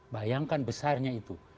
bayangkan besarnya itu